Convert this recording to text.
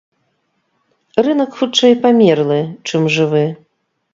Рынак хутчэй памерлы, чым жывы.